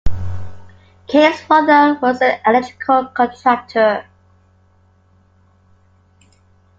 Kane's father was an electrical contractor.